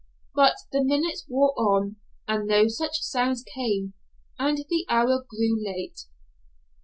But the minutes wore on, and no such sounds came, and the hour grew late.